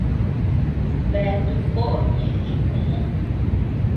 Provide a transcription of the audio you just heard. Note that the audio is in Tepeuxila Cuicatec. Bea tuʼu poʼo ñeʼe chikuʼü.